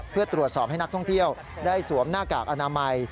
เพื่อตรวจสอบให้นักท่องเที่ยวได้สวมหน้ากากอนามัย